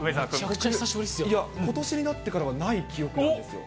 さあ、今月になってからはない記憶なんですよ。